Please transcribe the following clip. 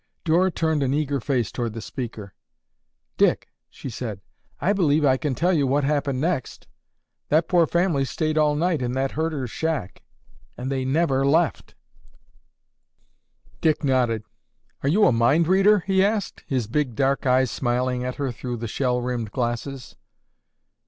'" Dora turned an eager face toward the speaker. "Dick," she said, "I believe I can tell you what happened next. That poor family stayed all night in that herder's shack and they never left." Dick nodded. "Are you a mind reader?" he asked, his big, dark eyes smiling at her through the shell rimmed glasses.